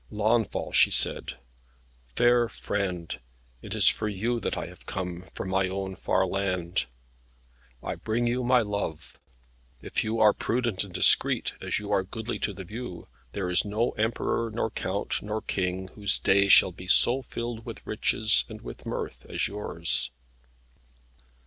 "Launfal," she said, "fair friend, it is for you that I have come from my own far land. I bring you my love. If you are prudent and discreet, as you are goodly to the view, there is no emperor nor count, nor king, whose day shall be so filled with riches and with mirth as yours."